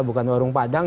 bukan warung padang